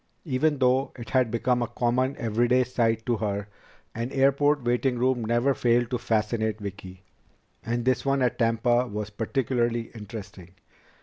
Even though it had become a common, everyday sight to her, an airport waiting room never failed to fascinate Vicki. And this one at Tampa was particularly interesting.